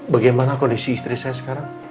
bagaimana kondisi istri saya sekarang